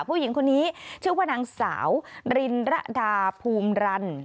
ผู้หญิงคนนี้ชื่อว่านางสาวรินระดาภูมิรัน